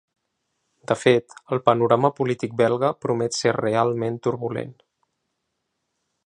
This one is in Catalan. De fet, el panorama polític belga promet ser realment turbulent.